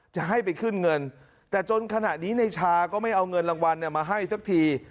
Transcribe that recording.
จะให้ไปขึ้นเงินแต่จนขณะนี้ในชาก็ไม่เอาเงินรางวัลมาให้สักที